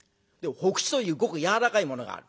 火口というごく軟らかいものがある。